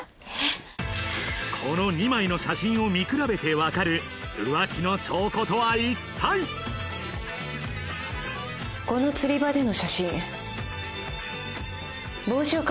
この２枚の写真を見比べて分かる浮気の証拠とは一体最近料理してないの？